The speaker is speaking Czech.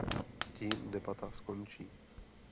Tím debata skončí.